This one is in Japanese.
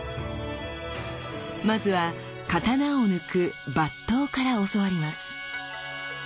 まずは刀を抜く「抜刀」から教わります。